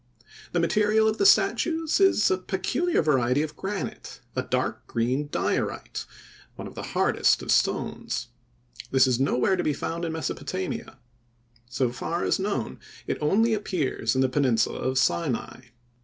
The material of the statues is a peculiar variety of granite, a dark green diorite, one of the hardest of stones. This was nowhere to be found in Mesopotamia. So far as known, it only appears in the peninsula of Sinai.